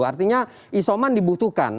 artinya isoman dibutuhkan